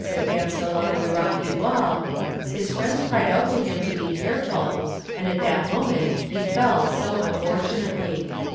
advanced along the rocky wall, his friends cried out to him to be careful, and at that moment he fell so unfortunately.